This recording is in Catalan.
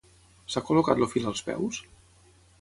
S'ha col·locat el fil als peus?